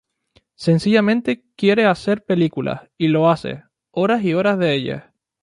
Sencillamente quiere hacer películas, y lo hace: horas y horas de ellas.